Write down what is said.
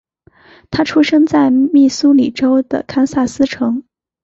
他出生在密苏里州的堪萨斯城。